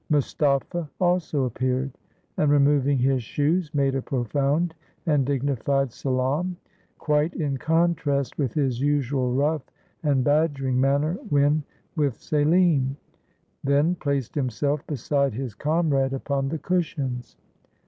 Mustapha also appeared, and, removing his shoes, made a profound and dignified salaam — quite in contrast with his usual rough and badgering manner when with Selim; then placed himself beside his comrade upon the cushions.